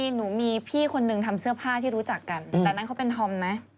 หนูมีพี่คนนึงทำเสื้อผ้าที่รู้จักกันแต่นั้นเขาเป็นธอมนะ